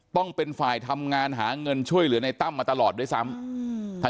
ต้องเป็นฝ่ายทำงานหาเงินช่วยเหลือในตั้มมาตลอดด้วยซ้ำ